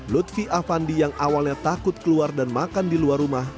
lutfi avandi yang awalnya takut keluar dan makan di luar rumah